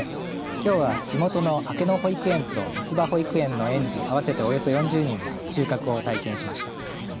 きょうは地元の明野保育園と三葉保育園の園児合わせておよそ４０人が収穫を体験しました。